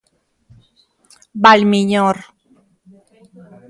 Valmiñor.